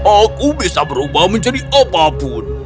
aku bisa berubah menjadi apapun